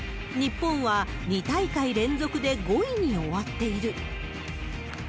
日本は２大会連続で５位に終わっている。